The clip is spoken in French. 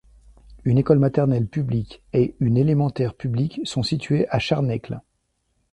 Une école maternelle publique et une élémentaire publique sont situées à Charnècles.